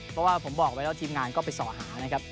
เพราะว่าผมบอกไว้แล้วทีมงานก็ไปส่อหานะครับ